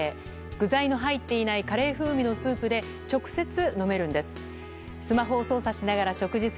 具材の入っていないカレー風味のスープで直接飲めるんです。